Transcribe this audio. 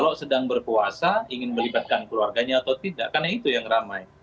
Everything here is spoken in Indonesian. karena itu yang ramai